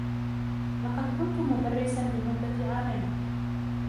لقد كنتُ مدرساً لمدة عامين.